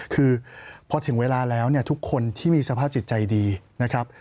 คือพอถึงเวลาแล้วเนี่ยทุกคนที่มีสภาพจิตใจดีนะครับ